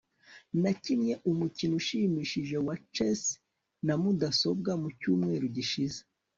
nakinnye umukino ushimishije wa chess na mudasobwa mucyumweru gishize